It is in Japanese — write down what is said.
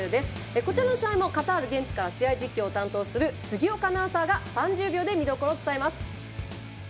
こちらの試合もカタール現地から試合実況を担当する杉岡アナウンサーが３０秒で見どころを伝えます。